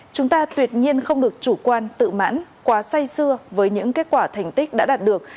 chúng ta tuyệt nhiên không được chủ quan tự mãn quá say xưa với những kết quả thành tích đã đạt được